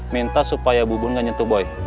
minta supaya bu bun gak nyentuh boy